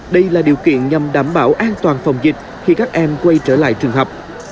đây là điều kiện nhằm đảm bảo an toàn phòng dịch khi các em quay trở lại trường học